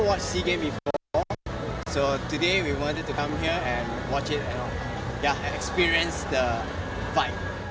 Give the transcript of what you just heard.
jadi hari ini kami ingin datang ke sini dan menonton dan mengalami perasaan